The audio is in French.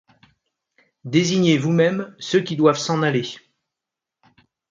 Désignez vous-mêmes ceux qui doivent s’en aller.